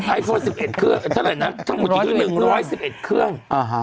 ไอโฟน๑๑เครื่องเท่าไหร่นะทั้งหมดคือ๑๑๑เครื่อง